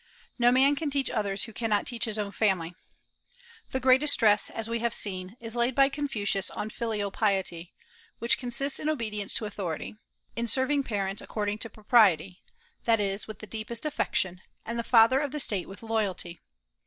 No man can teach others who cannot teach his own family. The greatest stress, as we have seen, is laid by Confucius on filial piety, which consists in obedience to authority, in serving parents according to propriety, that is, with the deepest affection, and the father of the State with loyalty.